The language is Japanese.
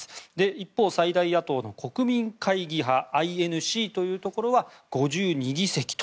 一方、最大野党の国民会議派ＩＮＣというところは５２議席と。